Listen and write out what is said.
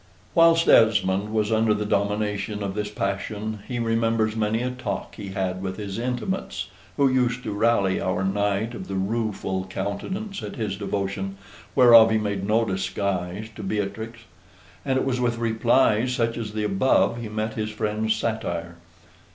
Whilst Esmond was under the domination of this passion, he remembers many a talk he had with his intimates, who used to rally Our Knight of the Rueful Countenance at his devotion, whereof he made no disguise, to Beatrix; and it was with replies such as the above he met his friends' satire.